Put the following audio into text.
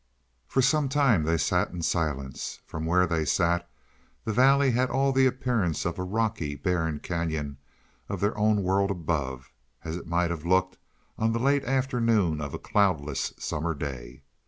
For some time they sat in silence. From where they sat the valley had all the appearance of a rocky, barren cañon of their own world above, as it might have looked on the late afternoon of a cloudless summer day.